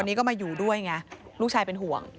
อันนี้ก็มาอยู่ด้วยไงลูกชายเป็นห่วง